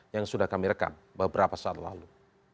yang sudah kami rekam beberapa saat lalu